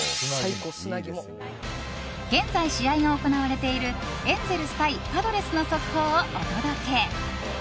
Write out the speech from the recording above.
現在、試合が行われているエンゼルス対パドレスの速報をお届け。